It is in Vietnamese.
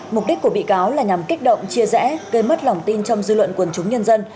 mục đích của bị cáo là nhằm kích động chia rẽ gây mất lòng tin trong dư luận quần chúng nhân dân